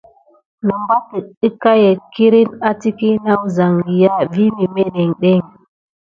Nəbatek əkayet kiriŋ a təky na əzangya vi memeɗiŋɗeŋ.